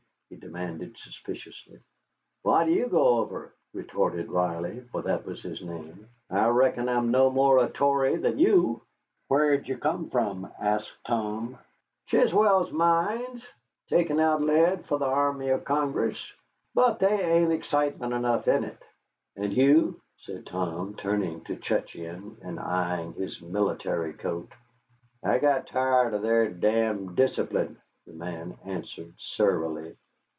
he demanded suspiciously. "Why do you go over?" retorted Riley, for that was his name. "I reckon I'm no more of a Tory than you." "Whar did ye come from?" said Tom. "Chiswell's mines, taking out lead for the army o' Congress. But there ain't excitement enough in it." "And you?" said Tom, turning to Cutcheon and eying his military coat. "I got tired of their damned discipline," the man answered surlily.